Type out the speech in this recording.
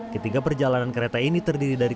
ketiga perjalanan kereta ini terdiri dari